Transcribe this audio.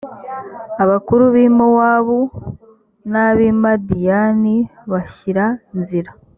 abakuru b’i mowabu n’ab’i madiyani bashyira nzira.